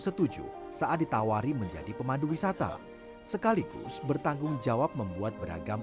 setuju saat ditawari menjadi pemandu wisata sekaligus bertanggung jawab membuat beragam